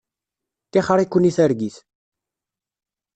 Tixeṛ-iken i targit.